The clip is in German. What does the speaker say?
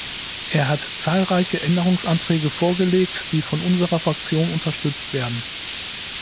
Er hat zahlreiche Änderungsanträge vorgelegt, die von unserer Fraktion unterstützt werden.